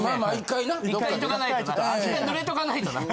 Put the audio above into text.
１回濡れとかないとな。